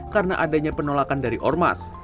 karena adanya penolakan dari ormas